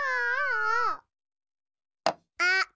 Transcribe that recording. あっ。